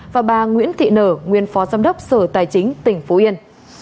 và bà nguyễn thị nở nguyên phó giám đốc sở tài chính tỉnh phú yên